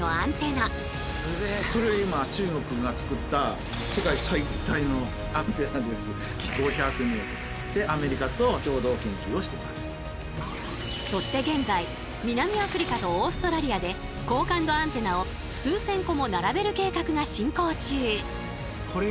これ今中国がつくったそして現在南アフリカとオーストラリアで高感度アンテナを数千個も並べる計画が進行中。